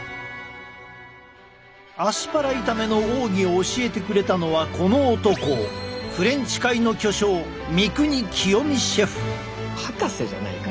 アスパラ炒めの奥義を教えてくれたのはこの男フレンチ界の巨匠博士じゃないからね。